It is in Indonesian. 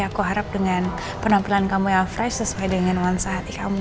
aku harap dengan penampilan kamu yang fresh sesuai dengan nuansa hati kamu